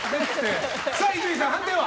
伊集院さん、判定は？